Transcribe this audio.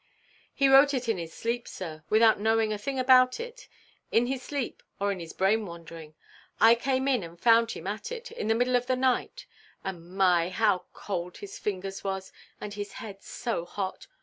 "He wrote it in his sleep, sir, without knowing a thing about it; in his sleep, or in his brain–wandering; I came in and found him at it, in the middle of the night; and my, how cold his fingers was, and his head so hot!